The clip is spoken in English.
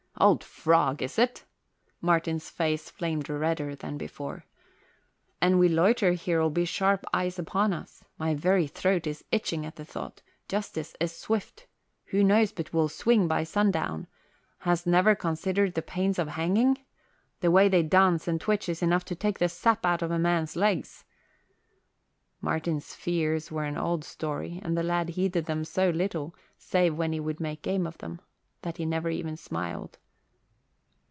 "Old frog, is it?" Martin's face flamed redder than before. "An we loiter there'll be sharp eyes upon us. My very throat is itching at the thought. Justice is swift. Who knows but we'll swing by sundown? Hast never considered the pains of hanging? The way they dance and twitch is enough to take the sap out of a man's legs." Martin's fears were an old story and the lad heeded them so little, save when he would make game of them, that he never even smiled.